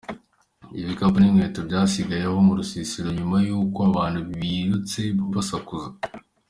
Ibikapo n'inkweto byasigaye aho mu rusisiro nyuma y'uko abantu birutse basakuza.